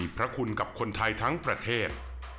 พระคุณกับคนไทยทั้งประเทศ